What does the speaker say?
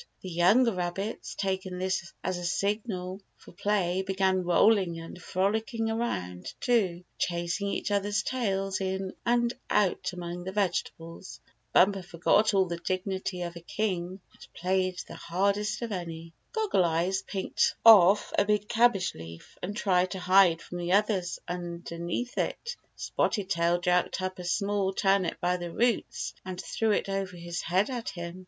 The younger rabbits, taking this as a signal for play, began rolling and frolicking around, too, chasing each other's tails in and out among the vegetables. Bumper forgot all the Bumper's Ignorance Excites Suspicion 19 dignity of a king and played the hardest of any. Goggle Eyes picked oflf a big cabbage leaf and tried to hide from the others under it. Spotted Tail jerked up a small turnip by the roots, and threw it over his head at him.